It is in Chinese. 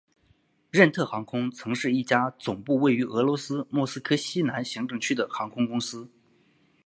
任特航空曾是一家总部位于俄罗斯莫斯科西南行政区的航空公司。